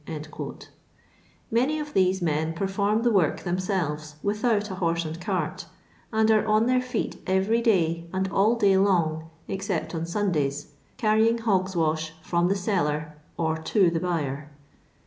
'* Many of these men perform the work themselves, without a horse and cart, and are on their feet every day and all day long, except on Sundays, carrying hogs' wash from the seller, or to the buyer.